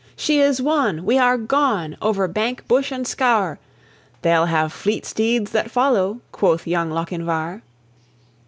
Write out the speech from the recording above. "She is won! we are gone, over bank, bush, and scaur; They'll have fleet steeds that follow," quoth young Lochinvar.